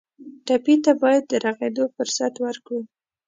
ټپي ته باید د روغېدو فرصت ورکړو.